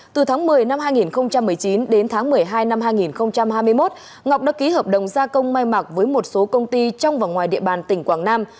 từ tháng một mươi năm hai nghìn một mươi chín đến tháng một mươi hai năm hai nghìn hai mươi một ngọc đã ký hợp đồng gia công mai mặc với một số công ty trong và ngoài địa bàn tỉnh quảng nam